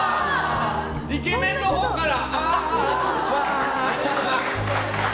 イケメンのほうから！